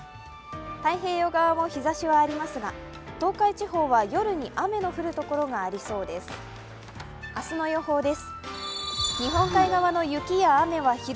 太平洋側も日ざしはありますが東海地方は夜に雨の降る所がありそうです。